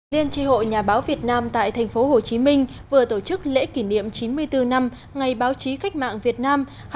liên tri hội nhà báo việt nam tại tp hcm vừa tổ chức lễ kỷ niệm chín mươi bốn năm ngày báo chí khách mạng việt nam